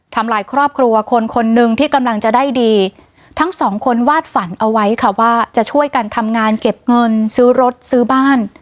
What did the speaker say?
ลายครอบครัวคนคนหนึ่งที่กำลังจะได้ดีทั้งสองคนวาดฝันเอาไว้ค่ะว่าจะช่วยกันทำงานเก็บเงินซื้อรถซื้อบ้าน